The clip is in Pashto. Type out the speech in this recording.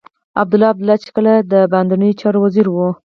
عبدالله عبدالله چې کله د باندنيو چارو وزير و.